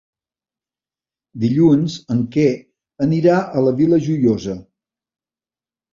Dilluns en Quer anirà a la Vila Joiosa.